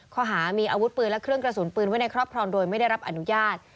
ข้อหามีอาวุธปืนและเครื่องกระสุนปืนไว้ในครอบครองโดยไม่ได้รับอนุญาต